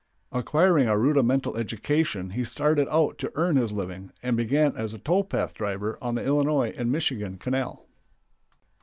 Acquiring a rudimental education he started out to earn his living, and began as a tow path driver on the Illinois & Michigan Canal.